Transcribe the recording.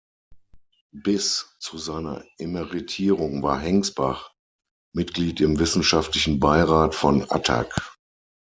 Bis zu seiner Emeritierung war Hengsbach Mitglied im wissenschaftlichen Beirat von Attac.